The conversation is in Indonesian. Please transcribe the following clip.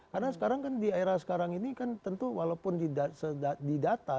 karena sekarang kan di era sekarang ini kan tentu walaupun di data